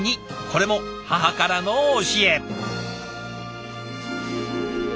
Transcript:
これも母からの教え。